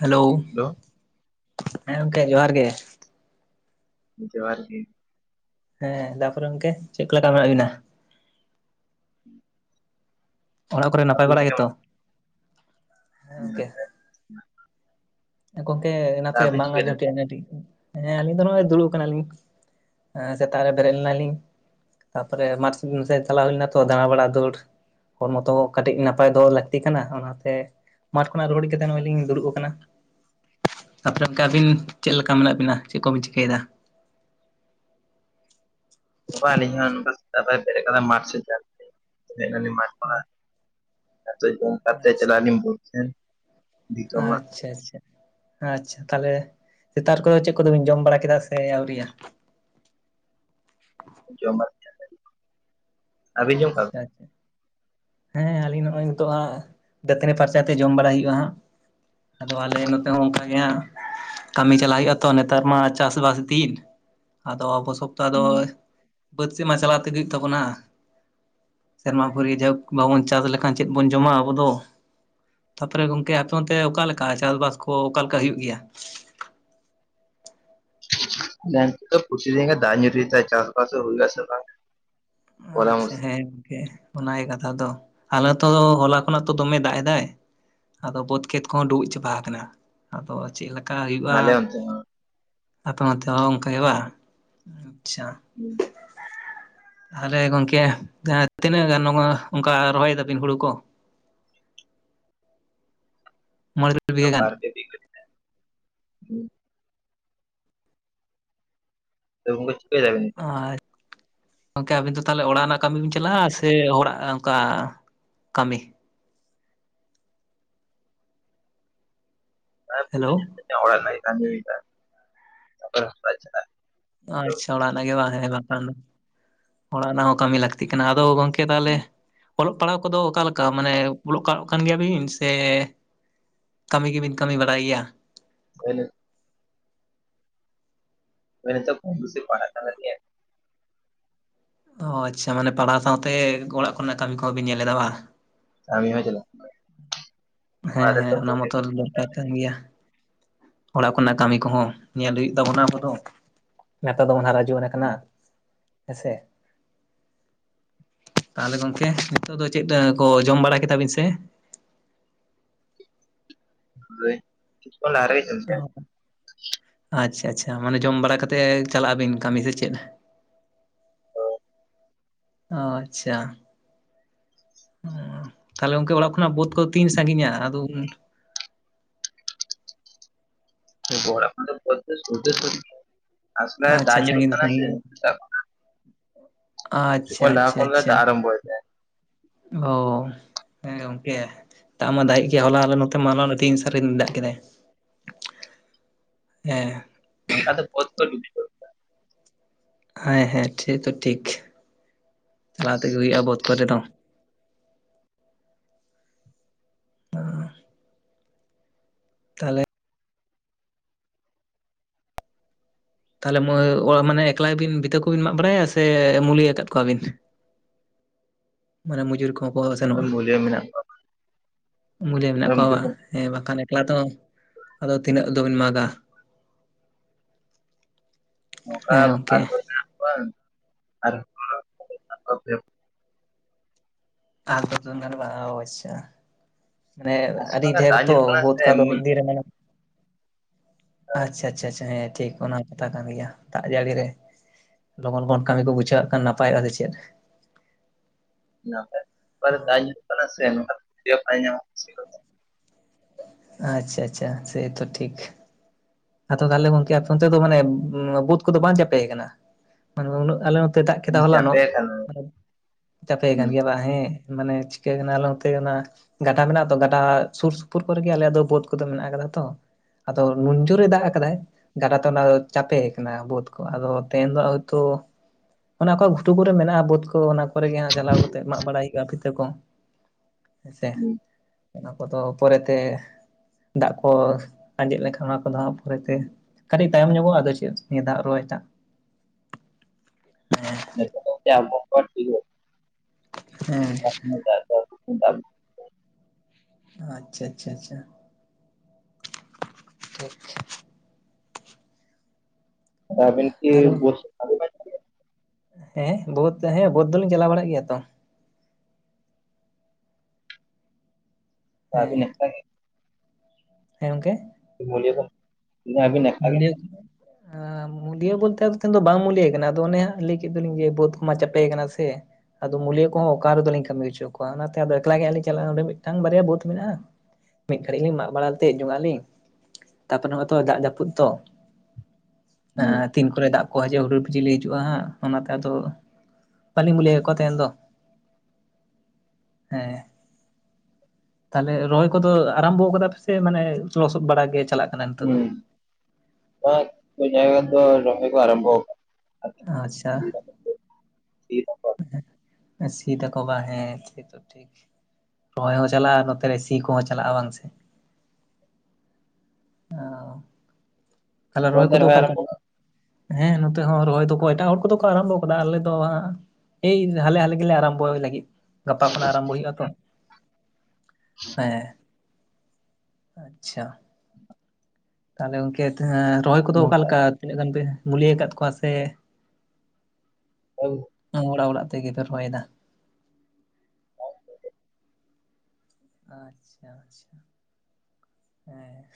Hello ᱦᱮᱸ ᱜᱚᱝᱠᱮ ᱡᱚᱦᱟᱨ ᱜᱮ᱾ ᱡᱚᱦᱟᱨ ᱜᱤ᱾ ᱦᱮᱸ ᱛᱟᱯᱚᱨᱮ ᱜᱚᱝᱠᱮ ᱪᱮᱫ ᱞᱮᱠᱟ ᱢᱮᱱᱟᱜ ᱵᱤᱱᱟ? ᱚᱲᱟᱜ ᱠᱚᱨᱮ ᱱᱟᱯᱟᱭ ᱟᱹᱵᱤᱱ ᱵᱟᱲᱟᱜ ᱪᱮᱫᱠᱟ ᱜᱮᱛᱚ? ᱢᱮᱱᱟᱜ ᱦᱮᱸ ᱵᱤᱱᱟ ᱜᱚᱝᱠᱮ᱾ ᱜᱚᱢᱠᱮ ᱱᱟᱥᱮ ᱟᱹᱵᱤᱱ ᱵᱟᱝ ᱪᱤᱠᱟᱹᱭ ᱟᱸᱡᱚᱢ ᱫᱟᱵᱤᱱ [unintelligible] ᱦᱮᱸ ᱟᱹᱞᱤᱧ ᱫᱚ ᱱᱚᱜᱼᱚᱭ ᱫᱩᱲᱩᱵ ᱠᱟᱱᱟᱞᱤᱧ᱾ ᱮᱸ ᱥᱮᱛᱟᱜᱨᱮ ᱵᱨᱮᱜ ᱞᱮᱱᱟᱞᱤᱧ ᱛᱟᱯᱚᱨᱮ ᱢᱟᱴᱽ ᱥᱮᱜ ᱪᱟᱞᱟᱣ ᱦᱩᱭ ᱞᱮᱱᱟ ᱛᱚ ᱫᱟᱬᱟᱵᱟᱲᱟ ᱫᱟᱹᱲ᱾ ᱦᱚᱲᱢᱚᱛᱚ ᱠᱟᱹᱴᱤᱡ ᱱᱟᱯᱟᱭ ᱫᱚᱦᱚ ᱞᱟᱹᱠᱛᱤ ᱠᱟᱱᱟ ᱚᱱᱟᱛᱮ ᱢᱟᱴᱷ ᱠᱷᱚᱱᱟᱜ ᱨᱩᱣᱟᱹᱲ ᱦᱮᱡ ᱠᱟᱛᱮ ᱱᱚ-ᱚᱭ ᱞᱤᱧ ᱫᱩᱲᱩᱵ ᱟᱠᱟᱱᱟ᱾ ᱛᱟᱯᱚᱨᱮ ᱜᱚᱢᱠᱮ ᱟᱹᱵᱤᱱ ᱪᱮᱫ ᱞᱮᱠᱟ ᱢᱮᱱᱟᱜ ᱵᱤᱱᱟ ᱪᱮᱫ ᱠᱚᱵᱤᱱ ᱪᱤᱠᱟᱹᱭᱮᱫᱟ? ᱟᱹᱞᱤᱧ ᱦᱚᱸ ᱱᱚᱝᱠᱟ ᱥᱮᱛᱟᱜ ᱵᱮᱲᱟ ᱵᱮᱨᱮᱜ ᱠᱟᱛᱮ ᱢᱟᱴᱽ ᱥᱮᱪ ᱦᱮᱡ ᱱᱟᱞᱤᱧ᱾ ᱚᱻ ᱠᱷᱚᱱᱟᱜ [unintelligible] ᱡᱚᱢ ᱠᱟᱛᱮᱜ ᱪᱟᱞᱟᱜ ᱟᱞᱤᱧ ᱵᱟᱹᱛ ᱥᱮᱱ᱾ ᱱᱤᱛᱚᱜ ᱢᱟ ᱟᱪᱪᱷᱟ ᱟᱪᱪᱷᱟ᱾ ᱟᱪᱪᱷᱟ ᱛᱟᱦᱚᱞᱮ ᱥᱮᱛᱟᱨ ᱠᱚᱫᱚ ᱪᱮᱫ ᱠᱚᱫᱚᱵᱤᱱ ᱡᱚᱢ ᱵᱟᱲᱟ ᱠᱮᱫᱟ ᱥᱮ ᱟᱹᱣᱨᱤᱭᱟ? ᱡᱚᱢ ᱵᱟᱲᱟ ᱠᱮᱟᱞᱮ ᱟᱪᱪᱷᱟ ᱟᱪᱪᱷᱟ᱾ ᱦᱮᱸ ᱟᱹᱞᱤᱧ ᱱᱚᱜᱼᱚᱭ ᱱᱤᱛᱚᱜ ᱦᱟᱸᱜ ᱫᱟᱹᱛᱟᱹᱱᱤ ᱯᱷᱟᱨᱪᱟᱛᱮ ᱡᱚᱢ ᱵᱟᱲᱟᱭ ᱦᱩᱭᱩᱜᱼᱟ ᱦᱟᱸᱜ᱾ ᱟᱫᱚ ᱟᱞᱮ ᱱᱚᱛᱮ ᱦᱚᱸ ᱚᱝᱠᱟ ᱜᱮ ᱦᱟᱸᱜ, ᱠᱟᱹᱢᱤ ᱪᱟᱞᱟᱜ ᱦᱩᱭᱩᱜᱼᱟ ᱛᱚ ᱱᱮᱛᱟᱨ ᱢᱟ ᱪᱟᱥᱵᱟᱥ ᱫᱤᱱ ᱟᱫᱚ ᱟᱵᱚ ᱥᱚᱵ ᱛᱚ ᱟᱫᱚ ᱵᱤᱱ ᱵᱟᱹᱫᱽ ᱥᱮᱜ ᱢᱟ ᱪᱟᱞᱟᱣ ᱛᱮᱜᱮ ᱦᱩᱭᱩᱜ ᱛᱟᱵᱚᱱᱟ᱾ ᱥᱮᱨᱢᱟ ᱯᱟᱹᱨᱤ ᱡᱟᱭᱦᱳᱠ ᱵᱟᱵᱚᱱ ᱪᱟᱥ ᱞᱮᱠᱷᱟᱱ ᱪᱮᱫ ᱵᱚᱱ ᱡᱚᱢᱟ ᱟᱵᱚ ᱫᱚ᱾ ᱛᱟᱨᱯᱚᱨᱮ ᱜᱚᱝᱠᱮ ᱟᱯᱮ ᱚᱱᱛᱮ ᱚᱠᱟ ᱞᱮᱠᱟ ᱪᱟᱥᱵᱟᱥ ᱠᱚ ᱚᱠᱟ ᱞᱮᱠᱟ ᱦᱩᱭᱩᱜ ᱜᱮᱭᱟ? ᱟᱞᱮ ᱱᱚᱛᱮ ᱯᱚᱛᱤᱫᱤᱱ ᱜᱮ ᱫᱟᱜᱽ ᱧᱩᱨᱩᱭ ᱫᱟᱭ ᱪᱟᱥ ᱵᱟᱥ ᱦᱩᱭᱩᱜ-ᱟ ᱥᱮ ᱵᱟᱝ, ᱵᱚᱞᱟ ᱟᱪᱪᱷᱟ ᱢᱩᱥᱠᱤᱞ ᱦᱮᱸ ᱜᱚᱝᱠᱮ ᱚᱱᱟᱜᱮ ᱠᱟᱛᱷᱟ ᱫᱚ ᱟᱞᱮ ᱛᱚ ᱫᱚ ᱦᱚᱞᱟ ᱠᱷᱚᱱᱟᱜ ᱛᱚ ᱫᱚᱢᱮ ᱫᱟᱜᱽ ᱮᱫᱟᱭ᱾ ᱟᱫᱚ ᱵᱟᱹᱫᱽ ᱠᱷᱮᱛ ᱠᱚᱦᱚᱸ ᱰᱩᱵᱩᱭᱡ ᱪᱟᱵᱟ ᱟᱠᱟᱱᱟ ᱟᱫᱚ ᱪᱮᱜ ᱞᱮ ᱠᱟ ᱦᱩᱭᱩᱜᱼᱟ ᱟᱞᱮ ᱚᱱᱛᱮ ᱦᱚᱸ ᱟᱯᱮ ᱚᱱᱛᱮ ᱦᱚᱸ ᱚᱝᱠᱟ ᱜᱮ ᱵᱟ ᱟᱪᱪᱷᱟ᱾ ᱦᱩᱸ, ᱛᱟᱦᱚᱞᱮ ᱜᱚᱝᱠᱮ ᱡᱟᱦᱟᱸ ᱛᱤᱱᱟᱹᱜ ᱜᱟᱱ ᱱᱚᱣᱟ ᱚᱝᱠᱟ ᱨᱚᱦᱚᱭ ᱫᱟᱹᱵᱤᱱ ᱦᱩᱲᱩ ᱠᱚ? ᱢᱟᱹᱨᱤ, ᱛᱚ ᱵᱟᱨ ᱯᱮ ᱵᱤᱜᱷᱟᱹ ᱞᱮᱠᱟ᱾ ᱦᱩᱸ ᱛᱚ ᱜᱚᱝᱠᱮ ᱪᱤᱠᱚᱟᱹᱭ ᱫᱟᱵᱤᱱ? ᱟᱪ, ᱜᱚᱝᱠᱮ ᱟᱹᱵᱤᱱ ᱫᱚ ᱛᱟᱦᱚᱞᱮ ᱚᱲᱟᱜ ᱨᱮᱱᱟᱜ ᱠᱟᱹᱢᱤ ᱵᱤᱱ ᱪᱟᱞᱟᱜᱼᱟ ᱥᱮ ᱦᱚᱲᱟᱜ ᱚᱝᱠᱟ ᱠᱟᱹᱢᱤ? ᱦᱮᱞᱳ, ᱦᱮᱸ ᱚᱲᱟᱜ ᱨᱮᱱᱟᱜ ᱜᱮ ᱠᱟᱹᱢᱤ ᱦᱩᱭ ᱫᱟ ᱛᱟᱯᱚᱨᱮ ᱦᱚᱲᱟᱜ ᱪᱟᱞᱟᱜ ᱟᱪᱪᱷᱟ ᱚᱲᱟᱜ ᱨᱮᱱᱟᱜ ᱜᱮ ᱵᱟᱝ ᱦᱮ ᱵᱟᱝᱠᱷᱟᱱ ᱫᱚ ᱚᱲᱟᱜ ᱨᱮᱱᱟᱜ ᱦᱚᱸ ᱠᱟᱹᱢᱤ ᱞᱟᱹᱠᱛᱤ ᱠᱟᱱᱟ ᱟᱫᱚ ᱜᱚᱝ ᱠᱮ ᱛᱟᱦᱚᱞᱮ ᱚᱞᱚᱜ ᱯᱟᱲᱦᱟᱣ ᱠᱚᱫᱚ ᱚᱠᱟᱞᱮᱠᱟ ᱢᱟᱱᱮ ᱚᱞᱚᱜ ᱠᱟ ᱠᱟᱱ ᱜᱮᱭᱟᱵᱤᱱ ᱥᱮ, ᱠᱟᱹᱢᱤ ᱜᱮᱵᱤᱱ ᱠᱟᱹᱢᱤ ᱵᱟᱲᱟᱭ ᱜᱮᱭᱟ? ᱦᱮᱞᱚ ᱦᱚᱭ ᱱᱤᱛᱚᱜ ᱠᱚᱢ ᱵᱮᱥᱤ ᱯᱟᱲᱦᱟᱜ ᱛᱟᱞᱮ ᱜᱮᱭᱟᱭ᱾ ᱚ ᱟᱪᱪᱷᱟ ᱢᱟᱱᱮ ᱯᱟᱲᱦᱟᱣ ᱥᱟᱶᱛᱮ ᱚᱲᱟᱜ ᱠᱚᱨᱮᱱᱟᱜ ᱠᱟᱹᱢᱤ ᱠᱚᱦᱚᱸ ᱵᱤᱱ ᱧᱮᱞᱮ ᱫᱟ ᱵᱟ᱾ ᱠᱟᱹᱢᱤ ᱦᱚᱸ ᱪᱟᱞᱟᱜ [unintelligible] ᱦᱮᱸ ᱠᱟᱱᱟ ᱦᱮᱸ ᱚᱱᱟ ᱚᱲᱟᱜ ᱨᱮ ᱢᱚᱛᱚᱨ ᱫᱚᱨᱠᱟᱨ ᱠᱟᱱ ᱜᱮᱭᱟ᱾ ᱚᱲᱟᱜ ᱠᱚᱱᱟᱜ ᱠᱟᱹᱢᱤ ᱠᱚᱦᱚᱸ ᱧᱮᱞ ᱦᱩᱭᱩᱜ ᱛᱟᱵᱚᱱᱟ ᱟᱵᱚ ᱫᱚ ᱱᱮᱛᱟᱨ ᱫᱚᱵᱚ ᱦᱟᱨᱟ ᱡᱩᱭᱚᱱ ᱟᱠᱟᱱᱟ ᱦᱮᱸᱥᱮ᱾ ᱛᱟᱦᱚᱞᱮ ᱜᱚᱝᱠᱮ ᱱᱤᱛᱚᱜ ᱫᱚ ᱪᱮᱫ ᱠᱚ ᱡᱚᱢ ᱵᱟᱲᱟ ᱠᱮᱫᱟ ᱵᱤᱱ ᱥᱮ? ᱦᱚᱭ ᱠᱤᱪᱷᱩ ᱠᱷᱚᱱ ᱞᱟᱦᱟ ᱨᱮ᱾ ᱚ ᱟᱪᱪᱷᱟ ᱟᱪᱪᱷᱟ ᱢᱟᱱᱮ ᱡᱚᱢ ᱵᱟᱲᱟ ᱠᱟᱛᱮᱜ ᱪᱟᱞᱟᱜ ᱟᱹᱵᱤᱱ ᱠᱟᱹᱢᱤ ᱥᱮ ᱪᱮᱜ? ᱚᱸ ᱟᱪᱪᱷᱟ᱾ ᱦᱩᱸ ᱛᱟᱦᱚᱞᱮ ᱜᱚᱝᱠᱮ ᱚᱲᱟᱜ ᱠᱷᱚᱱᱟᱜ ᱵᱟᱹᱫᱽ ᱠᱚ ᱛᱤᱱ ᱥᱟᱺᱜᱤᱧᱟ ᱟᱫᱚ ᱩᱱᱟᱹ ᱦᱮᱸ [unintelligible] ᱟᱥᱚᱞᱮ ᱫᱟ ᱟᱪᱪᱷᱟ ᱧᱩᱨᱩᱜ ᱥᱟᱺᱜᱤᱧ ᱠᱟᱱᱟ ᱥᱮ ᱥᱟᱺᱜᱤᱧ ᱥᱮᱛᱟᱜ ᱠᱷᱚᱱᱟᱜ᱾ ᱠᱤᱪᱷᱩ ᱠᱷᱚᱱ ᱟᱪᱪᱷᱟ ᱞᱟᱦᱟ ᱟᱪᱪᱷᱟ ᱠᱷᱚᱱ ᱨᱮ ᱟᱪᱪᱷᱟ ᱫᱟᱜᱽ ᱟᱨᱟᱢᱵᱳᱭᱮᱜ ᱛᱟᱦᱮᱸᱜ᱾ ᱚ ᱦᱮᱸ ᱜᱚᱝᱠᱮ᱾ ᱫᱟᱜᱽ ᱢᱟ ᱫᱟᱜᱮᱜ ᱜᱮᱭᱟ ᱦᱚᱞᱟ ᱟᱞᱮ ᱱᱚᱛᱮ ᱢᱟᱞᱟ ᱛᱤᱱ ᱥᱟᱨᱤᱧ ᱫᱟᱜᱽ ᱠᱮᱫᱟᱭ᱾ ᱦᱮᱸ, ᱱᱚᱝᱠᱟ ᱫᱚ ᱵᱟᱹᱫᱽ [unintelligible] ᱠᱚ ᱦᱮᱸ ᱦᱮᱸ ᱴᱷᱤᱠ ᱛᱚ ᱴᱷᱤᱠ ᱪᱟᱞᱟᱣ ᱛᱮᱜᱮ ᱦᱩᱭᱩᱜᱼᱟ ᱵᱟᱹᱫᱽ ᱠᱚᱨᱮ ᱫᱚ᱾ ᱚᱸ ᱛᱟᱦᱚᱞᱮ ᱛᱟᱦᱞᱮ ᱢᱟᱹᱭ ᱚᱣᱟ ᱢᱟᱱᱮ ᱮᱠᱞᱟ ᱜᱮ ᱵᱤᱱ ᱵᱤᱛᱟᱹ ᱠᱚᱵᱤᱱ ᱢᱟᱜᱽ ᱵᱟᱲᱟᱭᱟ ᱥᱮ ᱢᱩᱞᱭᱟᱹᱛᱮᱜ ᱠᱚᱣᱟ ᱵᱤᱱ? ᱢᱟᱱᱮ ᱢᱚᱡᱩᱨ ᱠᱚᱦᱚᱸ ᱠᱚ ᱥᱮᱱᱚᱜᱼᱟ ᱢᱩᱞᱭᱟᱹ ᱢᱮᱱᱟᱜ ᱢᱩᱞᱟᱹᱭᱟᱹ ᱢᱮᱱᱟᱜ ᱠᱚᱣᱟ ᱵᱟᱝ? ᱦᱮᱸ ᱵᱟᱠᱷᱟᱱ ᱮᱠᱞᱟ ᱛᱚ ᱟᱫᱚ ᱛᱤᱱᱟᱹᱜ ᱫᱚᱵᱤᱱ ᱢᱟᱜᱟ᱾ ᱱᱚᱝᱠᱟ ᱦᱮᱸ ᱜᱚᱝᱠᱮ, ᱢᱮᱱᱟᱜ ᱠᱚᱣᱟ ᱟᱨ ᱫᱟᱜ [inaudible] [inaudible] ᱢᱟᱱᱮ ᱠᱟᱱᱟ ᱥᱮ ᱟᱹᱰᱤ ᱚᱠᱟᱨᱮ ᱰᱷᱮᱨ ᱫᱟᱜ ᱛᱚ ᱧᱩᱨᱩᱜ ᱵᱳᱫᱽ ᱠᱚ ᱫᱚ ᱢᱤᱫ ᱫᱤᱱ ᱨᱮ ᱢᱟᱱᱮ ᱟᱪᱪᱷᱟ ᱟᱪᱪᱷᱟ ᱪᱷᱟ ᱦᱮᱸ ᱴᱷᱤᱠ ᱚᱱᱟ ᱠᱟᱛᱷᱟ ᱠᱟᱱ ᱜᱮᱭᱟ ᱫᱟᱜ ᱡᱟᱹᱲᱤ ᱨᱮ ᱞᱚᱜᱚᱱ ᱞᱚᱜᱚᱱ ᱠᱟᱹᱢᱤ ᱠᱚ ᱵᱩᱡᱷᱟᱹᱜ ᱠᱷᱟᱱ ᱱᱟᱯᱟᱭᱚᱜ-ᱟ ᱟᱫᱚ ᱪᱮᱫ᱾ [inaudible] ᱟᱪᱪᱷᱟ ᱟᱪᱪᱷᱟ ᱥᱮᱛᱚ ᱴᱷᱤᱠ᱾ ᱟᱫᱚ ᱛᱟᱦᱞᱮ ᱜᱚᱝᱠᱮ ᱟᱯᱮ ᱚᱱᱛᱮ ᱫᱚ ᱢᱟᱱᱮ ᱵᱟᱹᱫᱽ ᱠᱚᱫᱚ ᱵᱟᱝ ᱪᱟᱯᱮ ᱟᱠᱟᱱᱟ ᱢᱟᱱᱮ ᱩᱱᱟᱹᱜ ᱟᱞᱮ ᱛᱮ ᱫᱟᱜ ᱠᱮᱫᱟ ᱦᱚᱞᱟᱱᱚᱜ ᱪᱟᱯᱮ ᱠᱟᱱᱟ ᱪᱟᱯᱮ ᱠᱟᱱ ᱜᱮᱭᱟ ᱵᱟᱝ ᱦᱮᱸ᱾ ᱢᱟᱱᱮ ᱪᱤᱠᱟᱹ ᱠᱟᱱᱟ ᱟᱞᱮ ᱚᱱᱛᱮ ᱚᱱᱟ ᱜᱟᱴᱟ ᱢᱮᱱᱟᱜ ᱛᱚ ᱜᱟᱴᱟ ᱥᱩᱨ ᱥᱩᱯᱩᱨ ᱠᱚᱨᱮ ᱜᱮ ᱟᱞᱮᱭᱟᱜ ᱫᱚ ᱵᱟᱹᱫᱽ ᱠᱚᱫᱚ ᱢᱮᱱᱟᱜ ᱟᱠᱟᱫᱟ ᱛᱚ ᱟᱫᱚ ᱱᱩᱱ ᱡᱩᱨ ᱮ ᱫᱟᱜ ᱟᱠᱟᱫᱟᱭ᱾ ᱜᱟᱰᱟ ᱛᱚᱞᱟ ᱪᱟᱯᱮ ᱟᱠᱟᱱᱟ ᱵᱟᱹᱫᱽ ᱠᱚ ᱟᱫᱚ ᱛᱮᱦᱮᱧ ᱫᱚ ᱦᱳᱭᱛᱚ ᱚᱱᱟ ᱠᱚ ᱜᱷᱩᱴᱩ ᱠᱚᱨᱮ ᱢᱮᱱᱟᱜ-ᱟ ᱵᱟᱹᱫᱽ ᱠᱚ ᱚᱱᱟ ᱠᱚᱨᱮ ᱜᱮ ᱦᱟᱸᱜ ᱡᱟᱞᱟᱣ ᱠᱟᱛᱮᱜ ᱢᱟᱜ ᱵᱟᱲᱟᱭ ᱦᱩᱭᱩᱜ-ᱟ ᱯᱷᱤᱛᱟᱹ ᱠᱚ ᱦᱮᱸᱥᱮ᱾ ᱚᱱᱟ ᱠᱚᱫᱚ ᱯᱚᱨᱮ ᱛᱮ ᱫᱟᱜ ᱠᱚ ᱟᱸᱡᱮᱫ ᱞᱮᱠᱷᱟᱱ ᱚᱱᱟ ᱟᱫᱚ ᱦᱟᱸᱜ ᱯᱚᱨᱮ ᱛᱮ ᱠᱟᱹᱴᱤᱡ ᱛᱟᱭᱚᱢ ᱧᱚᱜᱚᱜ-ᱟ ᱟᱫᱚ ᱪᱮᱫ ᱱᱤᱭᱟᱹ ᱫᱟᱜ ᱨᱚᱦᱚᱭ ᱫᱟᱜ ᱦᱮᱸ [inaudible] ᱟᱪᱪᱷᱟ ᱟᱪᱪᱷᱟ ᱟᱪᱪᱷᱟ [unintelligible] ᱛᱟᱦᱚᱞᱮ [inaudible] ᱦᱮᱸ ᱵᱳᱫᱽ ᱦᱮᱸ ᱵᱳᱫᱽ ᱫᱚᱞᱤᱧ ᱪᱟᱞᱟᱣ ᱵᱟᱲᱟᱜ ᱜᱮᱭᱟ ᱛᱚ᱾ ᱟᱵᱤᱱ ᱦᱮᱸ ᱮᱠᱞᱟ ᱜᱮ? ᱦᱮᱸ ᱜᱚᱝᱠᱮ᱾ [inaudible] ᱤᱱᱟᱹ ᱟᱵᱤᱱᱟᱜ [inaudible] ᱢᱩᱞᱭᱟᱹ ᱵᱚᱞᱛᱮ ᱟᱫᱚ ᱛᱮᱦᱮᱱ ᱫᱚ ᱵᱟᱝ ᱢᱩᱞᱭᱟᱹ ᱠᱟᱱᱟ ᱟᱫᱚ ᱚᱱᱮ ᱦᱟᱸᱜ ᱞᱟᱹᱭ ᱠᱮᱜ ᱫᱚᱞᱤᱧ ᱡᱮ ᱵᱟᱹᱫᱽ ᱠᱚᱢᱟ ᱪᱟᱯᱮ ᱠᱟᱱᱟ ᱥᱮ᱾ ᱟᱫᱚ ᱢᱩᱞᱤᱭᱟᱹ ᱠᱚᱦᱚᱸ ᱚᱠᱟ ᱨᱮᱫᱚ ᱞᱤᱧ ᱠᱟᱹᱢᱤ ᱦᱚᱪᱚ ᱠᱚᱣᱟ ᱚᱱᱟᱛᱮ ᱟᱫᱚ ᱮᱠᱞᱟ ᱜᱮ ᱦᱟᱸᱜ ᱞᱤᱧ ᱪᱟᱞᱟᱜ-ᱟ ᱚᱰᱮ ᱢᱤᱫᱴᱟᱝ ᱵᱟᱨᱭᱟ ᱵᱟᱹᱫᱽ ᱢᱮᱱᱟᱜ-ᱟ᱾ ᱢᱤᱫ ᱜᱷᱟᱹᱲᱤᱡ ᱞᱤᱧ ᱢᱟᱜ ᱵᱟᱲᱟ ᱛᱮᱜ ᱡᱚᱣᱟᱜ ᱟᱹᱞᱤᱧ ᱛᱟᱨᱯᱚᱨ ᱢᱟᱛᱚ ᱫᱟᱜ ᱡᱟ ᱯᱩᱫ ᱛᱚ ᱦᱩᱸ ᱮᱸ ᱛᱤᱱ ᱠᱚᱨᱮ ᱫᱟᱜ ᱠᱚ ᱦᱟᱡᱩᱜ-ᱟ ᱦᱩᱰᱩᱨ ᱵᱤᱡᱽᱞᱤ ᱦᱤᱡᱩᱜ-ᱟ ᱦᱟᱸᱜ ᱚᱱᱟᱛᱮ ᱟᱫᱚ ᱟᱹᱞᱤᱧ ᱵᱚᱞᱮ ᱚᱠᱟᱛᱮ ᱮᱱ ᱫᱚ ᱦᱮᱸ ᱛᱟᱦᱚᱞᱮ ᱨᱚᱦᱚᱭ ᱠᱚᱫᱚ ᱟᱨᱟᱢᱵᱚ ᱠᱟᱫᱟ ᱯᱮᱥᱮ ᱢᱟᱱᱮ ᱞᱚᱥᱚᱫ ᱵᱟᱲᱟ ᱜᱮ ᱪᱟᱞᱟᱜ? ᱠᱟᱱᱟ ᱱᱤᱛᱚᱜ ᱫᱚ ᱦᱩᱸ [inaudible] [inaudible] ᱨᱚᱦᱚᱭ ᱠᱚ ᱟᱨᱟᱢᱵᱚ ᱠᱟᱫᱟ᱾ ᱟᱪᱪᱷᱟ [inaudible] [inaudible] ᱥᱤ ᱫᱟᱠᱚ ᱵᱟᱝ ᱦᱮ [inaudible] ᱨᱚᱦᱚᱭ ᱦᱚᱸ ᱪᱟᱞᱟᱜ-ᱟ ᱱᱚᱛᱮ ᱨᱮ ᱥᱤ ᱠᱚᱦᱚᱸ ᱪᱟᱞᱟᱜ-ᱟ ᱵᱟᱝ ᱥᱮ᱾ ᱚ ᱛᱟᱦᱚᱞᱮ ᱟᱯᱮ ᱨᱚᱦᱚᱭ ᱚᱱᱛᱮ ᱠᱚᱫᱚ ᱚᱠᱟ ᱞᱮᱠᱟ ᱟᱨᱟᱢᱵᱚ [inaudible] ᱦᱮᱸ ᱱᱚᱛᱮ ᱦᱚᱸ ᱨᱚᱦᱚᱭ ᱫᱚᱠᱚ ᱮᱴᱟᱜ ᱦᱚᱲ ᱠᱚᱫᱚ ᱠᱚ ᱟᱨᱟᱢᱵᱚ ᱠᱟᱫᱟ ᱟᱞᱮ ᱫᱚ ᱦᱟᱸᱜ ᱮᱭ ᱦᱟᱞᱮ ᱟᱞᱮ ᱜᱮᱞᱮ ᱟᱨᱟᱢᱵᱚᱭ ᱞᱟᱹᱜᱤᱫ, ᱜᱟᱯᱟ ᱠᱷᱚᱱᱟᱜ ᱟᱨᱟᱢᱵᱚ ᱦᱩᱭᱩᱜ-ᱟ ᱛᱚ ᱦᱮᱸ᱾ ᱟᱪᱪᱷᱟ᱾ [unintelligible] ᱛᱟᱦᱚᱞᱮ ᱜᱚᱝᱠᱮ ᱨᱚᱦᱚᱭ ᱠᱟᱜ-ᱟ ᱠᱚᱫᱚ ᱱᱚᱝᱠᱟ ᱚᱠᱟᱞᱮᱠᱟ ᱛᱤᱱᱟᱹᱜ ᱜᱟᱱ ᱯᱮ ᱢᱩᱞᱤᱭᱟᱹ ᱟᱠᱟᱫ ᱠᱚᱣᱟ ᱥᱮ [inaudible] ᱚᱲᱟᱜ ᱚᱲᱟᱜ ᱛᱮᱜᱮᱯᱮ ᱨᱚᱦᱚᱭᱫᱟ? ᱟᱪᱪᱷᱟ ᱟᱪᱪᱷᱟ, ᱦᱮᱸ᱾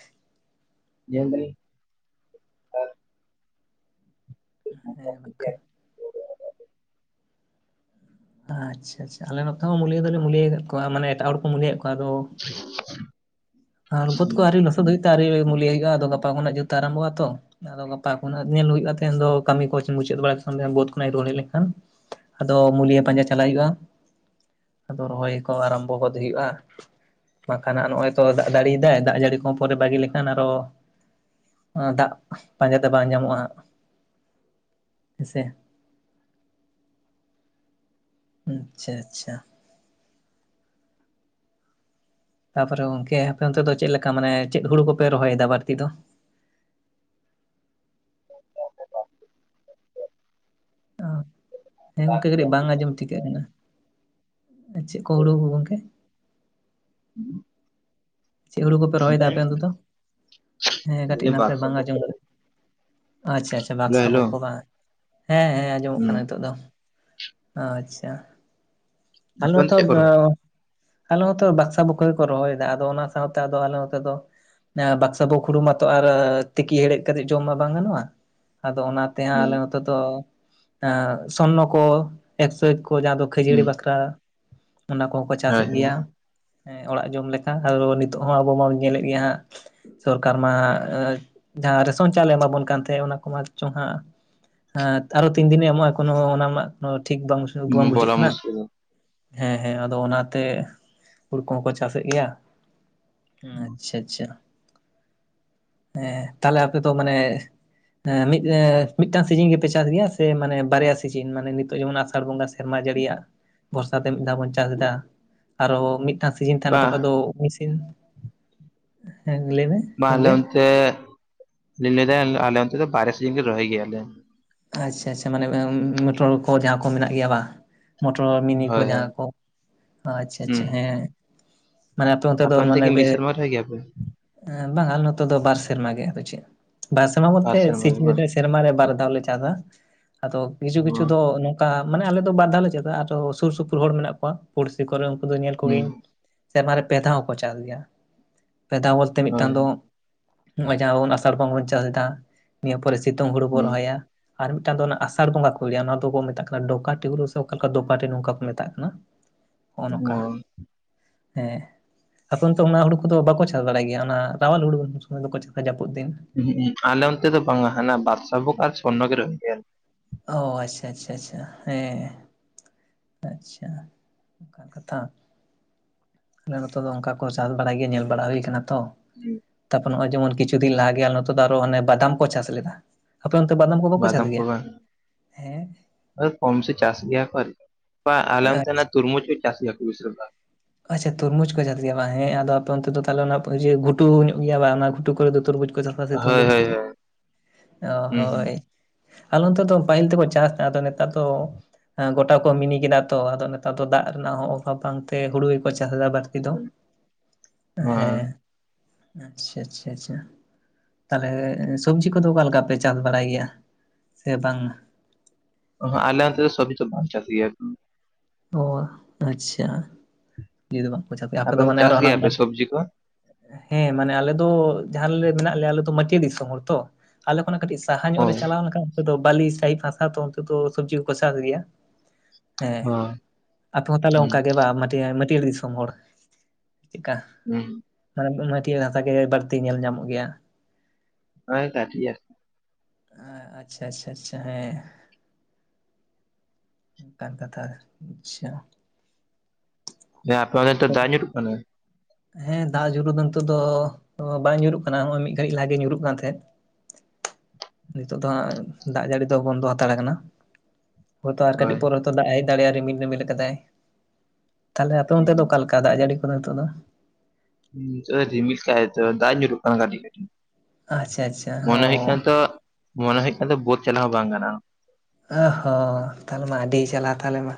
ᱧᱮᱞ ᱫᱟᱹᱧ᱾ ᱦᱮᱸ ᱱᱟᱠᱷᱟᱱ᱾ ᱦᱮᱞᱳ ᱟᱪᱪᱷᱟ ᱟᱪᱪᱷᱟ ᱟᱞᱮ ᱱᱚᱛ ᱦᱚᱸ ᱢᱩᱞᱤᱭᱟᱹ ᱫᱚᱞᱮ ᱢᱩᱞᱤᱭᱟᱹ ᱟᱠᱟᱫ ᱠᱚᱣᱟ ᱢᱟᱱᱮ ᱮᱴᱟᱜ ᱦᱚᱲ ᱠᱚ ᱢᱩᱞᱤᱭᱮᱫ ᱠᱚᱣᱟ ᱟᱫᱚ [unintelligible] ᱟᱨ ᱵᱟᱹᱫᱽᱠᱚ ᱟᱣᱨᱤ ᱞᱚᱥᱚᱫ ᱦᱩᱭᱩᱜ ᱛᱮ ᱟᱣᱨᱤ ᱢᱩᱞᱭᱟ. ᱦᱩᱭᱩᱜᱼᱟ ᱟᱫᱚ ᱜᱟᱯᱟ ᱠᱷᱚᱱᱟᱜ ᱡᱚᱨᱛᱮ ᱟᱨᱟᱢᱵᱚ-ᱟ ᱛᱚ᱾ ᱟᱫᱚ ᱜᱟᱯᱟ ᱠᱷᱚᱱᱟᱜ ᱧᱮᱞ ᱦᱩᱭᱩᱜᱼᱟ ᱛᱮᱦᱮᱧ ᱫᱚ ᱠᱟᱹᱢᱤ ᱠᱚᱪ ᱢᱩᱪᱟᱹᱫ ᱵᱟᱲᱟ [unintelligible] ᱵᱟᱹᱫ ᱠᱷᱚᱱᱟᱜ ᱤᱧ ᱨᱩᱣᱟᱹᱲ ᱦᱮᱡ ᱞᱮᱱᱠᱷᱟᱱ ᱟᱫᱚ ᱢᱩᱞᱤᱭᱟᱹ ᱦᱩᱸ ᱯᱟᱸᱡᱟ ᱪᱟᱞᱟᱜ ᱦᱩᱭᱩᱜᱼᱟ᱾ ᱟᱫᱚ ᱨᱚᱦᱚᱭ ᱠᱚ ᱟᱨᱟᱢᱵᱚ ᱜᱚᱫ ᱦᱩᱭᱩᱜᱼᱟ ᱵᱟᱠᱷᱟᱱ ᱦᱟᱸᱜ ᱱᱚᱜᱼᱚᱭ ᱛᱚ ᱫᱟᱜ ᱡᱟᱲᱤᱭᱫᱟᱭ ᱫᱟᱜ ᱡᱟᱹᱲᱤ ᱠᱚ ᱯᱚᱨᱮ ᱵᱟᱹᱜᱤ ᱞᱮᱠᱷᱟᱱ ᱟᱨᱚ ᱫᱟᱜ ᱯᱟᱸᱡᱟ ᱛᱮ ᱵᱟᱝ ᱧᱟᱢᱚᱜᱼᱟ ᱦᱟᱸᱜ ᱦᱮᱸᱥᱮ᱾ ᱟᱪᱪᱷᱟ ᱟᱪᱪᱷᱟ᱾ ᱛᱟᱯᱚᱨᱮ ᱜᱚᱝᱠᱮ ᱟᱯᱮ ᱚᱱᱛᱮ ᱫᱚ ᱪᱮᱫ ᱞᱮᱠᱟ ᱢᱟᱱᱮ ᱪᱮᱫ ᱦᱩᱲᱩ ᱠᱚᱯᱮ ᱨᱚᱦᱚᱭᱮᱫᱟ ᱵᱟᱹᱲᱛᱤ ᱫᱚ? [unintelligible] ᱚᱻ ᱦᱮᱸ ᱜᱚᱝᱠᱮ ᱠᱟᱹᱴᱤᱡ ᱵᱟᱝ ᱟᱸᱡᱚᱢ ᱴᱷᱤᱠᱟᱹᱜ ᱠᱟᱱᱟ᱾ ᱪᱮᱫ ᱠᱚ ᱦᱩᱲᱩ ᱜᱚᱝᱠᱮ? [unintelligible] ᱪᱮᱫ ᱦᱩᱲᱩ ᱠᱚᱯᱮ ᱨᱚᱦᱚᱭᱫᱟ ᱟᱯᱮ ᱚᱱᱛᱮ ᱫᱚ ᱦᱮᱸ ᱠᱟᱹᱴᱤᱡ ᱱᱟᱥᱮ ᱵᱟᱝ ᱟᱸᱡᱚᱢ [unintelligible] ᱟᱪᱪᱷᱟ ᱟᱪᱪᱷᱟ ᱵᱟᱠᱥᱟᱵᱷᱚᱠ ᱠᱚ ᱵᱟᱝ ᱦᱮᱸ ᱦᱮᱸ ᱟᱸᱡᱚᱢᱚᱜ ᱠᱟᱱᱟ ᱱᱤᱛᱳᱜ ᱫᱚ᱾ ᱟᱪᱪᱷᱟ ᱛᱟᱦᱞᱮ ᱟᱯᱮ ᱚᱱᱛᱮ ᱱᱚᱛᱮ ᱪᱮᱫ ᱠᱚ ᱫᱚ ᱨᱚᱦᱚᱭᱟ ᱟᱞᱮ ᱱᱚᱛᱮ ᱵᱟᱠᱥᱟ ᱵᱷᱚᱠ ᱠᱚ ᱨᱚᱦᱚᱭᱮᱫᱟ ᱟᱫᱚ ᱚᱱᱟ ᱥᱟᱶᱛᱮ ᱟᱫᱚ ᱟᱞᱮ ᱱᱚᱛᱮ ᱫᱚ ᱵᱟᱠᱥᱟ ᱵᱷᱳᱠ ᱦᱩᱲᱩ ᱢᱟᱛᱚ ᱟᱨ ᱛᱤᱠᱤ ᱦᱮᱲᱦᱮᱫ ᱠᱟᱛᱮᱜ ᱡᱚᱢ ᱢᱟ ᱵᱟᱝ ᱜᱟᱱᱚᱜᱼᱟ ᱟᱫᱚ ᱚᱱᱟ ᱛᱮ ᱦᱚ ᱦᱩᱸ ᱟᱞᱮ ᱱᱚᱛᱮ ᱫᱚ ᱥᱚᱨᱱᱚ ᱠᱚ ᱮᱠᱥᱚᱮᱠ ᱠᱚ ᱡᱟᱦᱟᱸ ᱫᱚ ᱠᱷᱟᱹᱡᱟᱹᱲᱤ ᱦᱩᱸ ᱵᱟᱠᱷᱨᱟ ᱚᱱᱟ ᱠᱚᱦᱚᱸ ᱠᱚ ᱦᱳᱭ ᱪᱟᱥᱮᱫ ᱜᱮᱭᱟ᱾ ᱦᱳᱭ ᱦᱮᱸ ᱚᱲᱟᱜ ᱡᱚᱢ ᱞᱮᱠᱟ ᱟᱫᱚ ᱱᱤᱛᱚᱜ ᱦᱚᱸ ᱟᱵᱚ ᱢᱟᱵᱚᱱ ᱧᱮᱞᱮᱫ ᱜᱮᱭᱟ ᱦᱟᱸᱜ ᱥᱚᱨᱠᱟᱨ ᱢᱟ ᱡᱟᱦᱟᱸ ᱨᱮᱥᱚᱱ ᱪᱟᱣᱞᱮ ᱮᱢᱟᱵᱚᱱ ᱠᱟᱱ ᱛᱟᱦᱮᱸᱫ ᱚᱱᱟ ᱠᱚᱢᱟ ᱪᱚᱝ ᱦᱟᱸᱜ ᱦᱟᱸᱛ ᱟᱨᱚ ᱛᱤᱱ ᱫᱤᱱᱮ ᱮᱢᱚᱜᱼᱟ ᱠᱳᱱᱳ ᱚᱱᱟ ᱢᱟ ᱴᱷᱤᱠ ᱵᱟᱝ ᱵᱩᱡᱷᱟᱹᱜ ᱵᱚᱞᱟ ᱠᱟᱱᱟ᱾ ᱢᱩᱥᱠᱤᱞ ᱦᱮᱸ ᱦᱮᱸ ᱟᱫᱚ ᱚᱱᱟᱛᱮ ᱦᱩᱲᱩ ᱠᱚᱦᱚᱸ ᱠᱚ ᱪᱟᱥᱮᱫ ᱜᱮᱭᱟ᱾ ᱟᱪᱪᱷᱟ ᱟᱪᱪᱷᱟ ᱦᱮᱸ ᱛᱟᱦᱞᱮ ᱟᱯᱮ ᱫᱚ ᱢᱟᱱᱮ ᱦᱮᱸ ᱢᱤᱫ ᱮᱸ ᱢᱤᱫᱴᱟᱝ ᱥᱤᱡᱤᱱ ᱜᱮᱯᱮ ᱪᱟᱥ ᱜᱮᱭᱟ ᱥᱮ ᱢᱟᱱᱮ ᱵᱟᱨᱭᱟ ᱥᱤᱡᱤᱱ ᱢᱟᱱᱮ ᱱᱤᱛᱚᱜ ᱡᱮᱢᱚᱱ ᱟᱥᱟᱲ ᱵᱚᱸᱜᱟ ᱥᱮᱨᱢᱟ ᱡᱟᱹᱲᱤᱭᱟᱜ ᱵᱚᱨᱥᱟ ᱛᱮ ᱢᱤᱫ ᱫᱷᱟᱣ ᱵᱚᱱ ᱪᱟᱥᱮᱫᱟ ᱟᱨᱚ ᱢᱤᱫ ᱴᱟᱱ ᱥᱤᱡᱤᱱ ᱛᱟᱦᱮᱱᱟ ᱵᱟᱝ ᱛᱚᱠᱷᱚᱡ ᱫᱚ ᱢᱤᱥᱤᱱ ᱦᱮᱸ ᱞᱟᱹᱭ ᱵᱮᱱ᱾ ᱢᱟ ᱟᱞᱮ ᱚᱱᱛᱮ ᱟᱞᱤᱧ ᱞᱟᱹᱭ ᱫᱟ ᱟᱞᱮ ᱚᱱᱛᱮ ᱫᱚ ᱵᱟᱭᱨᱟ ᱥᱤᱡᱤᱱ ᱜᱮ ᱨᱚᱦᱚᱭ ᱜᱮᱭᱟᱞᱮ᱾ ᱟᱪᱪᱷᱟ ᱟᱪᱪᱷᱟ ᱢᱟᱱᱮ ᱢᱮᱴᱨᱳᱞ ᱠᱚ ᱡᱟᱦᱟᱸ ᱠᱚ ᱢᱮᱱᱟᱜ ᱜᱮᱭᱟ ᱵᱟᱝ᱾ ᱢᱳᱴᱨᱚ ᱢᱤᱱᱤ ᱠᱚ ᱦᱳᱭ ᱦᱳᱭ ᱡᱟᱦᱟᱸ ᱠᱚ ᱟᱪᱪᱷᱟ ᱦᱩᱸ ᱟᱪᱪᱷᱟ ᱦᱮᱸ᱾ ᱢᱟᱱᱮ ᱟᱯᱮ ᱚᱱᱛᱮ ᱫᱚ ᱢᱟᱱᱮ ᱠᱤ ᱵᱮ ᱢᱤᱫ ᱥᱮᱨᱢᱟ ᱨᱚᱦᱚᱭ ᱜᱮᱭᱟ ᱯᱮ ᱵᱟᱝᱟ ᱱᱚᱛᱮ ᱫᱚ ᱵᱟᱨ ᱥᱮᱨᱢᱟ ᱜᱮ ᱯᱟᱪᱮᱫ ᱵᱟᱨ ᱥᱮᱨᱢᱟ ᱵᱚᱞᱛᱮ ᱥᱮᱨᱢᱟ ᱜᱮ ᱥᱤᱡᱤᱱ ᱵᱟᱝ ᱨᱮ ᱥᱮᱨᱢᱟ ᱨᱮ ᱵᱟᱨ ᱫᱷᱟᱣ ᱞᱮ ᱪᱟᱥᱟ ᱟᱫᱚ ᱠᱤᱪᱷᱩ ᱠᱤᱪᱷᱩ ᱫᱚ ᱱᱚ ᱚᱱᱠᱟ ᱢᱟᱱᱮ ᱟᱞᱮ ᱫᱚ ᱵᱟᱨ ᱫᱷᱟᱣ ᱞᱮ ᱪᱟᱥᱼᱟ ᱟᱨᱚ ᱥᱩᱨ ᱥᱩᱯᱩᱨ ᱦᱚᱲ ᱢᱮᱱᱟᱜ ᱠᱚᱣᱟ ᱯᱩᱲᱥᱤ ᱠᱚᱨᱮ ᱩᱱᱠᱩ ᱫᱚ ᱧᱮᱞ ᱠᱚᱜᱮ ᱦᱩᱸ ᱤᱧ ᱥᱮᱨᱢᱟ ᱨᱮ ᱯᱮ ᱫᱷᱟᱣ ᱦᱚᱸᱠᱚ ᱪᱟᱥ ᱜᱮᱭᱟ ᱯᱮ ᱫᱷᱟᱣ ᱵᱚᱞᱛᱮ ᱢᱤᱫ ᱴᱟᱱ ᱦᱳᱭ ᱫᱚ ᱱᱚᱜ-ᱚᱭ ᱡᱟᱦᱟᱸ ᱵᱚᱱ ᱟᱥᱟᱲ ᱵᱚᱸᱜᱟ ᱵᱚᱱ ᱪᱟᱥ ᱮᱫᱟ ᱱᱤᱭᱟᱹ ᱯᱚᱨᱮ ᱥᱤᱛᱩᱝ ᱦᱩᱲᱩ ᱵᱚᱱ ᱨᱚᱦᱚᱭᱟ ᱟᱨ ᱢᱤᱜᱴᱟᱝ ᱫᱚ ᱚᱱᱟ ᱟᱥᱟᱲ ᱵᱚᱸᱜᱟ ᱠᱚ ᱞᱟᱹᱭᱟ ᱚᱱᱟ ᱫᱚ ᱠᱚ ᱢᱮᱛᱟᱜ ᱠᱟᱱᱟ ᱰᱳᱠᱟ ᱴᱤᱩᱨᱩ ᱥᱮ ᱚᱠᱟ ᱞᱮᱠᱟ ᱰᱳᱯᱟᱴᱤ ᱱᱚᱝᱠᱟ ᱠᱚ ᱢᱮᱛᱟᱜ ᱠᱟᱱᱟ᱾ ᱦᱚᱸᱜ ᱚ ᱱᱚᱝᱠᱟ ᱦᱮᱸ᱾ ᱮᱠᱷᱚᱱ ᱛᱚ ᱚᱱᱟ ᱦᱩᱲᱩ ᱠᱚᱫᱚ ᱵᱟᱠᱚ ᱪᱟᱥ ᱵᱟᱲᱟᱭ ᱜᱮᱭᱟ ᱚᱱᱟ ᱨᱟᱣᱟᱞ ᱦᱩᱲᱩ ᱫᱚᱠᱚ ᱪᱟᱥᱟ ᱡᱟᱹᱯᱩᱫ ᱫᱤᱱ᱾ ᱟᱞᱮ ᱚᱱᱛᱮ ᱫᱚ ᱵᱟᱝ-ᱟ ᱦᱟᱱᱟ ᱵᱟᱨᱥᱟ ᱵᱩᱠ ᱟᱨ ᱥᱚᱨᱱᱚ ᱞᱮ ᱨᱚᱦᱚᱭ ᱜᱮᱭᱟ᱾ ᱚ ᱟᱪᱪᱷᱟ ᱟᱪᱪᱷᱟ ᱟᱪᱪᱷᱟ ᱦᱮᱸ᱾ ᱟᱪᱪᱷᱟ ᱚᱝᱠᱟᱱ ᱠᱟᱛᱷᱟ᱾ ᱟᱞᱮ ᱱᱚᱛᱮ ᱫᱚ ᱚᱝᱠᱟ ᱠᱚ ᱪᱟᱥ ᱵᱟᱲᱟᱭ ᱜᱮᱭᱟ ᱧᱮᱞ ᱵᱟᱲᱟ ᱦᱩᱭ ᱠᱟᱱᱟ ᱛᱚ ᱟᱨᱠᱤ ᱛᱟᱯᱚᱨ ᱱᱚᱜᱚᱭ ᱡᱮᱢᱚᱱ ᱠᱤᱪᱷᱩ ᱫᱤᱱ ᱞᱟᱦᱟ ᱜᱮ ᱟᱞᱮ ᱱᱚᱛᱮ ᱫᱚ ᱟᱨᱚ ᱦᱟᱱᱮ ᱵᱟᱫᱟᱢ ᱠᱚ ᱪᱟᱥ ᱞᱮᱫᱟ᱾ ᱟᱯᱮ ᱚᱱᱛᱮ ᱵᱟᱫᱟᱢ ᱠᱚ ᱵᱟᱠᱚ ᱪᱟᱥ ᱠᱚ ᱜᱮᱭᱟ ᱵᱟᱝ ᱦᱮᱸ? ᱠᱚᱢ ᱥᱮ ᱪᱟᱥ ᱜᱮᱭᱟ ᱠᱚ ᱟᱨᱠᱤ ᱵᱟ ᱟᱞᱮ ᱚᱱᱛᱮ ᱱᱟᱜ ᱛᱩᱨᱢᱩᱡᱽ ᱠᱚ ᱪᱟᱥ ᱜᱮᱭᱟ ᱠᱚ ᱵᱤᱥᱤᱨ ᱵᱷᱟᱜ᱾ ᱟᱪᱪᱷᱟ ᱛᱩᱨᱢᱩᱡᱽ ᱠᱚ ᱪᱟᱥ ᱜᱮᱭᱟ ᱵᱟᱝ ᱦᱮᱸ ᱟᱫᱚ ᱟᱯᱮ ᱚᱱᱛᱮ ᱫᱚ ᱛᱟᱦᱚᱞᱮ ᱚᱱᱟ ᱤᱭᱟᱹ ᱜᱷᱩᱴᱩ ᱧᱚᱜ ᱜᱮᱭᱟ ᱵᱟᱝ ᱚᱱᱟ ᱜᱷᱩᱴᱩ ᱠᱚᱨᱮ ᱫᱚ ᱛᱩᱨᱢᱩᱡᱽ ᱛᱩᱫᱟᱠᱚ ᱥᱤᱛᱩᱝ ᱦᱳᱭ ᱫᱤᱱ ᱦᱳᱭ ᱥᱮᱪᱮᱫ ᱦᱳᱭ ᱚ ᱦᱩᱸ ᱦᱳᱭ᱾ ᱟᱞᱮ ᱚᱱᱛᱮ ᱫᱚ ᱯᱟᱭᱤᱞ ᱛᱮ ᱠᱚ ᱪᱟᱥᱟ ᱟᱫᱚ ᱱᱮᱛᱟᱨ ᱫᱚ ᱟ ᱜᱚᱴᱟ ᱠᱚ ᱢᱤᱱᱤ ᱠᱮᱫᱟ ᱛᱚ ᱟᱫᱚ ᱱᱮᱛᱟᱨ ᱫᱚ ᱫᱟᱜ ᱨᱮᱱᱟᱜ ᱦᱚᱸ ᱚᱵᱷᱟᱵ ᱵᱟᱝᱛᱮ ᱦᱩᱲᱩ ᱜᱮᱠᱚ ᱪᱟᱥ ᱫᱟ ᱵᱟᱹᱲᱛᱤ ᱫᱚ ᱦᱩᱸ ᱦᱮᱸ᱾ ᱟᱪᱪᱷᱟ ᱟᱪᱪᱷᱟ ᱟᱪᱪᱷᱟ᱾ ᱛᱟᱦᱞᱮ ᱥᱚᱵᱽᱡᱤ ᱠᱚᱫᱚ ᱚᱠᱟ ᱞᱮᱠᱟ ᱯᱮ ᱪᱟᱥ ᱵᱟᱲᱟᱭ ᱜᱮᱭᱟ ᱥᱮ ᱵᱟᱝ? ᱟᱞᱮ ᱚᱱᱛᱮ ᱫᱚ ᱥᱚᱵᱽᱡᱤ ᱵᱟ ᱪᱟᱥ ᱜᱮᱭᱟ ᱠᱚ᱾ ᱚ ᱟᱪᱪᱷᱟ ᱤᱭᱟ ᱫᱚ ᱵᱟᱝ ᱠᱚ ᱪᱟᱥ ᱜᱮᱭᱟ ᱟᱯᱮ ᱫᱚ ᱚᱱᱛᱮ ᱢᱟᱱᱮ ᱟᱨᱚ ᱪᱟᱥ ᱦᱟᱱᱟ ᱜᱮᱭᱟ ᱯᱮ ᱥᱚᱵᱽᱡᱤ ᱠᱚ ᱦᱮᱸ ᱢᱟᱱᱮ ᱟᱞᱮ ᱫᱚ ᱡᱟᱦᱟᱸ ᱨᱮᱞᱮ ᱢᱮᱱᱟᱜ ᱞᱮᱭᱟ ᱟᱞᱮ ᱫᱚ ᱢᱟᱪᱮᱫᱤ ᱥᱚᱢᱚᱭ ᱛᱚ ᱟᱞᱮ ᱠᱷᱚᱱᱟᱜ ᱠᱟᱹᱴᱤᱡ ᱥᱟᱦᱟ ᱚ ᱧᱚᱜ ᱨᱮ ᱪᱟᱞᱟᱣ ᱞᱮᱠᱷᱟᱱ ᱯᱩᱨᱟᱹ ᱵᱟᱹᱞᱤ ᱥᱟᱹᱦᱤ ᱦᱟᱥᱟ ᱛᱚ ᱚᱱᱛᱮ ᱫᱚ ᱥᱚᱵᱽᱡᱤ ᱠᱚ ᱠᱚ ᱪᱟᱥ ᱜᱮᱭᱟ᱾ ᱦᱮᱸ ᱦᱚᱸ ᱟᱯᱮ ᱦᱚᱸ ᱛᱟᱦᱞᱮ ᱦᱩᱸ ᱚᱱᱠᱟ ᱜᱮ ᱵᱟᱝ ᱢᱟᱹᱴᱭᱟᱹᱲ ᱢᱟᱹᱴᱭᱟᱹᱨᱲ ᱫᱤᱥᱚᱢ ᱦᱚᱲ ᱪᱮᱜᱠᱟ ᱦᱩᱸ ᱢᱟᱱᱮ ᱢᱟᱴᱤᱭᱟᱹᱲ ᱦᱟᱥᱟ ᱜᱮ ᱵᱟᱹᱲᱛᱤ ᱧᱮᱞ ᱧᱟᱢᱚᱜ ᱜᱮᱭᱟ᱾ ᱦᱮᱸ ᱠᱟᱴᱤᱭᱟ᱾ ᱟ ᱟᱪᱪᱷᱟ ᱟᱪᱪᱷᱟ ᱟᱪᱪᱷᱟ ᱦᱮᱸ᱾ ᱚᱱᱠᱟᱱ ᱠᱟᱛᱷᱟ ᱟᱪᱪᱷᱟ᱾ ᱦᱮᱸ ᱟᱯᱮ ᱚᱱᱛᱮ ᱫᱚ ᱫᱟᱜ ᱧᱩᱨᱩᱜ ᱠᱟᱱᱟ? ᱦᱮᱸ ᱫᱟᱜ ᱡᱩᱨᱩᱜ ᱫᱚ ᱱᱤᱛᱚᱜ ᱫᱚ ᱵᱟᱝ ᱧᱩᱨᱩᱜ ᱠᱟᱱᱟ ᱦᱚᱭᱚᱭ ᱢᱤᱫ ᱜᱷᱟᱹᱲᱤᱡ ᱞᱟᱦᱟ ᱜᱮ ᱧᱩᱨᱩᱜ ᱠᱟᱱ ᱛᱟᱦᱮᱸᱫ᱾ ᱱᱤᱛᱳᱜ ᱫᱚ ᱦᱟᱸᱜ ᱫᱟᱜ ᱡᱟᱹᱲᱤ ᱫᱚ ᱵᱚᱱᱫᱚ ᱦᱟᱛᱟᱲᱟ ᱠᱟᱱᱟ ᱦᱳᱭᱛᱳ ᱟᱨ ᱠᱟᱹᱴᱤᱡ ᱦᱳᱭ ᱯᱚᱨ ᱫᱟᱜ ᱮ ᱫᱟᱲᱮ-ᱟ ᱨᱤᱢᱤᱞ ᱨᱤᱢᱤᱞ ᱠᱟᱫᱟᱭ ᱛᱟᱦᱚᱞᱮ ᱟᱯᱮ ᱚᱱᱛᱮ ᱫᱚ ᱚᱠᱟ ᱞᱮᱠᱟ ᱫᱟᱜ ᱡᱟᱹᱲᱤ ᱠᱚᱫᱚ ᱱᱤᱛᱳᱜ ᱫᱚ? ᱱᱤᱛᱚᱜ-ᱮ ᱨᱤᱢᱤᱞ ᱠᱟ ᱟᱭ ᱛᱚ ᱫᱟᱜ ᱧᱩᱨᱩᱜ ᱠᱟᱱᱟ ᱠᱟᱴᱤᱡ ᱠᱟᱴᱤᱡ᱾ ᱟᱪᱪᱷᱟ ᱟᱪᱪᱷᱟ ᱚ ᱢᱚᱱᱮ ᱦᱩᱭᱩᱜ ᱠᱟᱱᱟ ᱛᱚ ᱢᱚᱱᱮ ᱦᱩᱭᱩᱜ ᱠᱟᱱᱟ ᱛᱚ ᱵᱟᱫᱽ ᱪᱟᱞᱟᱣ ᱦᱚᱸ ᱵᱟᱝ ᱜᱟᱱᱚᱜ-ᱟ᱾ ᱚ ᱦᱚᱸ ᱛᱟᱦᱞᱮ ᱢᱟ ᱟᱹᱰᱤ ᱡᱟᱞᱟ ᱛᱟᱦᱚᱞᱮ ᱢᱟ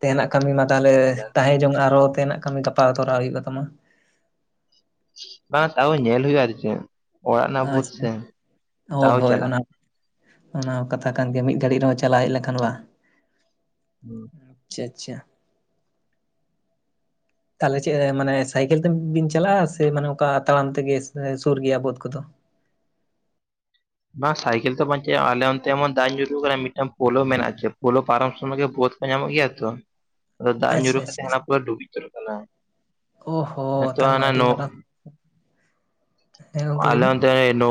ᱛᱮᱦᱮᱱᱟᱜ ᱠᱟᱹᱢᱤ ᱢᱟ ᱛᱟᱦᱞᱮ ᱛᱟᱦᱮᱸ ᱡᱚᱝ ᱟᱨᱚ ᱛᱮᱦᱮᱱᱟ ᱠᱟᱹᱢᱤ ᱜᱟᱯᱟ ᱛᱚᱨᱟᱣ ᱦᱩᱭᱩᱜ-ᱟ ᱛᱟᱢᱟ᱾ ᱵᱟᱝ ᱛᱟᱣ ᱧᱮᱞ ᱦᱩᱭᱩᱜ-ᱟ ᱟᱨ ᱪᱮ ᱚᱲᱟᱜ ᱨᱮᱱᱟ ᱵᱟᱹᱫᱽ ᱟᱪᱪᱷᱟ ᱥᱮ ᱦᱳᱭ ᱛᱟᱣ ᱦᱳᱭ ᱪᱟᱞᱟ ᱚᱱᱟ ᱚᱱᱟ ᱦᱚᱸ ᱠᱟᱛᱷᱟ ᱠᱟᱱ ᱜᱮᱭᱟ ᱢᱤᱫ ᱜᱷᱟᱹᱲᱤᱡ ᱨᱮᱦᱚᱸ ᱪᱟᱞᱟᱣ ᱦᱮᱡ ᱞᱮᱠᱷᱟᱱ ᱵᱟᱝ᱾ [unintelligible] ᱟᱪᱷᱟ ᱪᱟ ᱛᱟᱦᱚᱞᱮ ᱪᱮᱜ ᱢᱟᱱᱮ ᱥᱟᱭᱠᱮᱞ ᱛᱮ ᱵᱤᱱ ᱪᱟᱞᱟᱜ-ᱟ ᱥᱮ ᱢᱟᱱᱮ ᱚᱱᱠᱟ ᱛᱟᱲᱟᱢ ᱛᱮᱜᱮ ᱥᱩᱨ ᱜᱮᱭᱟ ᱵᱟᱹᱫ ᱠᱚᱫᱚ? ᱵᱟᱝ ᱥᱟᱭᱠᱮᱞ ᱛᱚ ᱵᱟᱝ ᱪᱟᱜ-ᱟ ᱟᱞᱮ ᱚᱱᱛᱮᱢᱟ ᱫᱟᱜ ᱧᱩᱨᱩᱜ ᱠᱟᱱᱟ ᱢᱤᱫᱴᱟᱝ ᱯᱳᱞᱳ ᱢᱮᱱᱟᱜ ᱪᱮ ᱯᱳᱞᱳ ᱯᱟᱨᱚᱢ ᱥᱚᱢᱚᱭ ᱜᱮ ᱵᱟᱸᱫ ᱠᱚ ᱧᱟᱢᱚᱜ ᱜᱮᱭᱟ ᱛᱚ ᱟᱫᱚ ᱫᱟᱜ ᱟᱪᱪᱷᱟ ᱧᱩᱨᱩᱜ ᱠᱟᱛᱮ ᱟᱪᱪᱷᱟ ᱟᱪᱪᱷᱟ ᱚᱱᱟ ᱯᱩᱨᱟᱹ ᱰᱩᱵᱩᱡᱽ ᱩᱛᱟᱹᱨᱚᱜ ᱠᱟᱱᱟ᱾ ᱚ ᱦᱚ ᱱᱤᱛᱚᱜ ᱛᱟᱦᱞᱮ ᱢᱟ ᱦᱟᱱᱟ ᱟᱹᱵᱤ ᱱᱚ ᱢᱟᱨᱟᱝ ᱦᱮᱸ ᱜᱚᱝᱠᱮ ᱞᱟᱹᱭ ᱟᱞᱮ ᱵᱤᱱ ᱚᱱᱛᱮ ᱱᱳ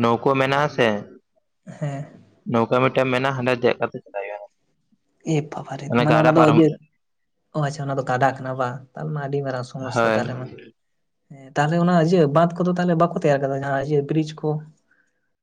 ᱱᱚᱣᱠᱳ ᱢᱮᱱᱟᱜ ᱟᱥᱮ ᱦᱮᱸ᱾ ᱱᱚᱣᱠᱟ ᱢᱤᱫᱴᱟᱝ ᱢᱮᱱᱟᱜᱼᱟ ᱦᱟᱸᱰᱮ ᱫᱮᱡ ᱠᱟᱛᱮ ᱪᱟᱞᱟᱜ ᱦᱩᱭᱩᱜᱼᱟ᱾ ᱮ ᱵᱟᱵᱟᱨᱮ ᱢᱟᱱᱮ ᱜᱟᱰᱟ ᱚᱱᱟ ᱫᱚ ᱯᱟᱨᱚᱢ ᱤᱭᱟᱹ ᱚ ᱟᱪᱪᱷᱟ ᱚᱱᱟ ᱫᱚ ᱜᱟᱰᱟ ᱠᱟᱱᱟ ᱵᱟ ᱛᱟᱦᱞᱮ ᱢᱟ ᱟᱹᱰᱤ ᱢᱟᱨᱟᱝ ᱥᱚᱢᱚᱥᱥᱟ ᱦᱳᱭ ᱛᱟᱦᱞᱮ ᱢᱟ᱾ ᱦᱮᱸ ᱛᱟᱦᱚᱞᱮ ᱚᱱᱟ ᱤᱭᱟᱹ ᱵᱟᱸᱫᱷ ᱠᱚᱫᱚ ᱛᱟᱦᱚᱞᱮ ᱵᱟᱠᱚ ᱛᱮᱭᱟᱨ ᱟᱠᱟᱫᱟ ᱡᱟᱦᱟᱸ ᱤᱭᱟᱹ ᱵᱨᱤᱡᱽ ᱠᱚ᱾